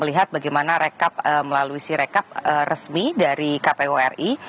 melihat bagaimana rekap melalui rekap resmi dari kpwri